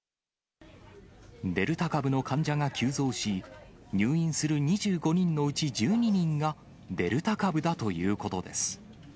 デルタ株の患者が急増し、入院する２５人のうち１２人がデルタ株だということです。